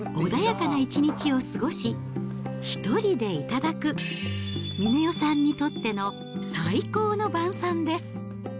いつもと同じ穏やかな一日を過ごし、一人で頂く、峰代さんにとっての最高の晩さんです。